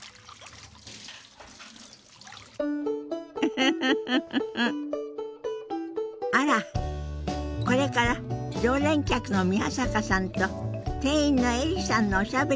フフフフフあらこれから常連客の宮坂さんと店員のエリさんのおしゃべりが始まりそうね。